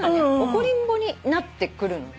怒りんぼになってくるのね。